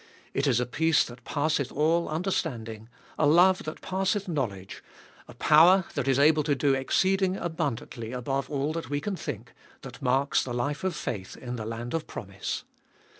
It is a peace that passeth all understanding, a love that passeth know ledge, a power that is able to do exceeding abundantly above all we can think, that marks the life of faith in the land of promise.